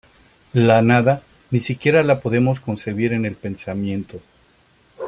La nada ni siquiera la podemos concebir en el pensamiento.